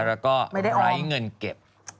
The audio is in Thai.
แล้วก็ไร้เงินเก็บ